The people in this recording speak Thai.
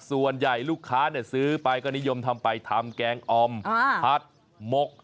ส่วนใหญ่ลูกค้าซื้อไปก็นิยมทำไปทำแกงออมผัดหมก